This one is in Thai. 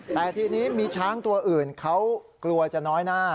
แต่ทีนี้มีช้างตัวอื่นเขากลัวจะน้อยหน้า